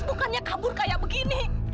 bukannya kabur kayak begini